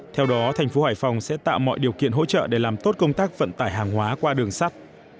theo đó thành phố hải phòng sẽ tạo mọi điều kiện hỗ trợ để làm tốt công tác vận tải hàng hóa qua đường sắt